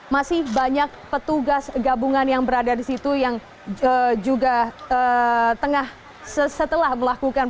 masih banyak petugas gabungan yang berada di situ yang juga tengah setelah melakukan